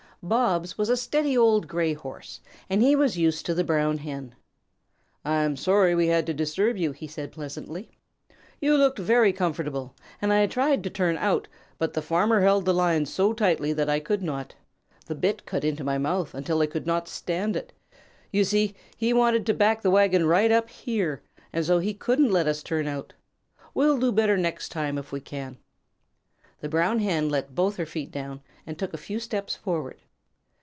Bobs was a steady old gray Horse, and he was used to the Brown Hen. "I am sorry that we had to disturb you," he said pleasantly. "You looked very comfortable and I tried to turn out, but the Farmer held the lines so tightly that I could not. The bit cut into my mouth until I could not stand it. You see he wanted to back the wagon up right here, and so he couldn't let us turn out. We'll do better next time if we can." The Brown Hen let both her feet down and took a few steps forward.